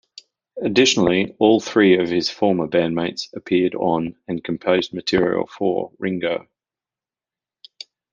Additionally, all three of his former bandmates appeared on and composed material for "Ringo".